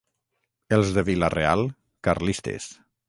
Els de Vila-real, carlistes.